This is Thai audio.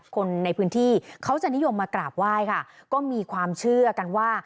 คนในพื้นที่เขาจะนิยมมากราบไหว้ค่ะก็มีความเชื่อกันว่า